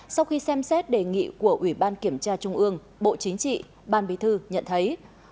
sau khi xem xét đề nghị của ủy ban kiểm tra trung ương bộ chính trị ban bí thư nhận thấy